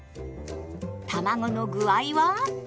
たまごの具合は？